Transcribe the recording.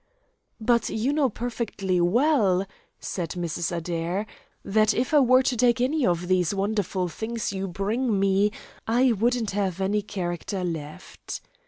"But you know perfectly well," said Mrs. Adair, "that if I were to take any one of these wonderful things you bring me, I wouldn't have any character left."